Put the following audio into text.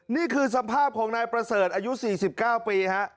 นี่คือสภาพของนายประเสริฐอายุ๔๙ปีฮะ